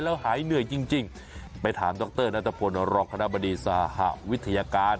แล้วหายเหนื่อยจริงไปถามดรนัตรพลรองคณะบดีสหวิทยาการ